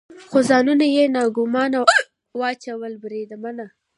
خو ځانونه یې ناګومانه واچول، بریدمنه.